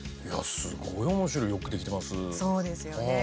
すごいおもしろいよくできてます。